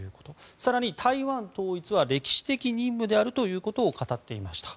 更に、台湾統一は歴史的任務であるということを語っていました。